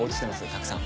たくさん。